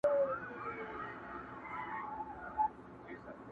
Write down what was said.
o د ژوندون خواست یې کوه له ربه یاره ,